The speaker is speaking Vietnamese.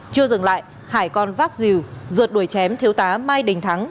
chưa dừng lại hải còn vác rìu ruột đuổi chém thiếu tá mai đình thắng